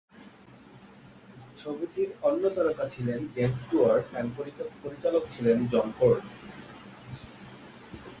ছবিটির অন্য তারকা ছিলেন জেমস স্টুয়ার্ট এবং পরিচালক ছিলেন জন ফোর্ড।